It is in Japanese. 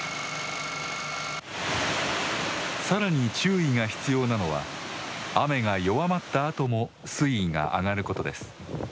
さらに注意が必要なのは雨が弱まったあとも水位が上がることです。